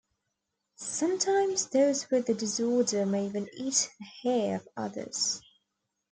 Sometimes those with the disorder may even eat the hair of others.